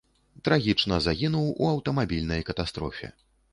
Трагічна загінуў у аўтамабільнай катастрофе.